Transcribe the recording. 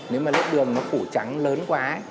nếu mà lớp đường nó phủ trắng lớn quá ấy